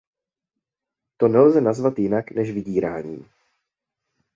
To nelze nazvat jinak než vydíráním.